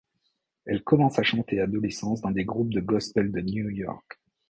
Elle commence à chanter adolescente dans des groupes de gospel de New York.